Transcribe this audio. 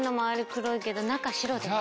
黒いけど中白でした。